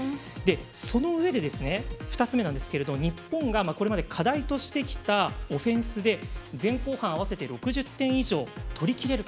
そのうえで２つ目なんですが日本がこれまで課題としてきたオフェンスで前後半合わせて６０点以上取りきれるか。